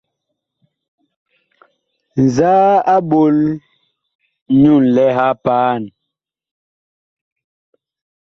Nzaa a ɓol nyu nlɛha a paan?